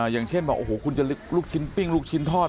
อย่างเช่นบอกโอ้โหคุณจะลูกชิ้นปิ้งลูกชิ้นทอด